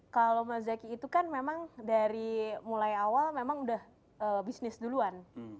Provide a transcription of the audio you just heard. kalau mas zaky itu kan memang dari mulai awal memang udah bisnis duluan